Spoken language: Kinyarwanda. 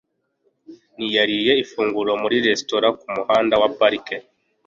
Nariye ifunguro muri resitora kumuhanda wa Park.